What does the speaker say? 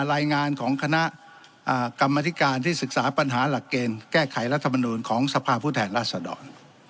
รายงานของคณะกรรมธิการที่ศึกษาปัญหาหลักเกณฑ์แก้ไขรัฐมนูลของสภาพผู้แทนราษฎร